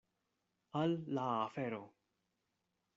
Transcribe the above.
Al la afero!